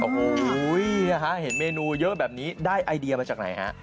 โอ้โหนะฮะเห็นเมนูเยอะแบบนี้ได้ไอเดียมาจากไหนฮะ